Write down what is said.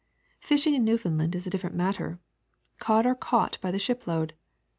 Fish ing in Newfoundland is a different matter: cod are caught by the ship load.